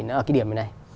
nó ở cái điểm này